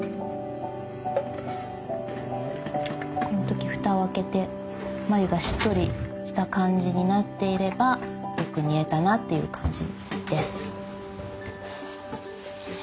この時蓋を開けて繭がしっとりした感じになっていればよく煮えたなっていう感じです。